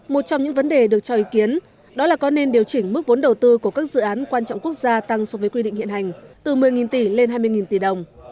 một trong những vấn đề được cho ý kiến đó là có nên điều chỉnh mức vốn đầu tư của các dự án quan trọng quốc gia tăng so với quy định hiện hành từ một mươi tỷ lên hai mươi tỷ đồng